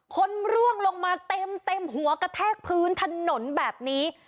ร่วงลงมาเต็มหัวกระแทกพื้นถนนแบบนี้